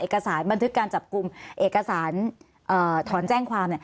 เอกสารบันทึกการจับกลุ่มเอกสารถอนแจ้งความ